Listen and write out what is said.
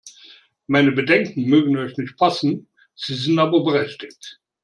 Meine Bedenken mögen euch nicht passen, sie sind aber berechtigt!